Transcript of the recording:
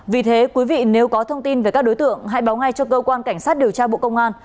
vì thế quý vị nếu có thông tin về các đối tượng hãy báo ngay cho cơ quan cảnh sát điều tra bộ công an